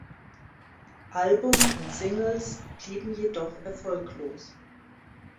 Album und Singles blieben jedoch erfolglos.